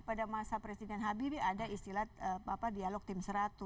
pada masa presiden habibie ada istilah dialog tim seratus